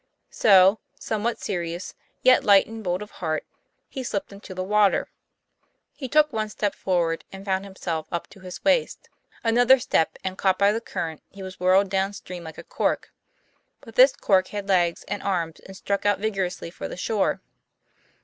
So, somewhat serious, yet light and bold of heart, he slipped into the water. He took one step forward, and found himself up to his waist; another step, and caught by the current he was whirled down stream like a cork. But this cork had legs and arms, and struck out vigorously for the shore.